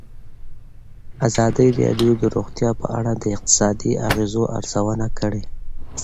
ازادي راډیو د روغتیا په اړه د اقتصادي اغېزو ارزونه کړې.